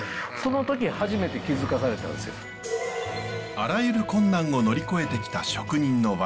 あらゆる困難を乗り越えてきた職人の技。